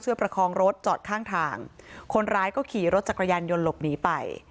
เพื่อประคองรถจอดข้างทางคนร้ายก็ขี่รถจักรยานยนต์หลบหนีไป